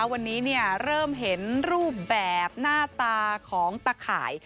วันนี้เริ่มเห็นรูปแบบหน้าตาของตะข่าย